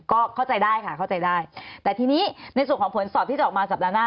ก็เข้าใจได้ค่ะเข้าใจได้แต่ทีนี้ในส่วนของผลสอบที่จะออกมาสัปดาห์หน้า